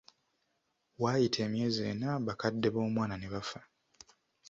Waayita emyezi ena, bakadde b'omwana ne bafa.